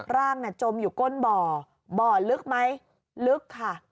ร่างน่ะจมอยู่ก้นบ่อบ่อลึกไหมลึกค่ะ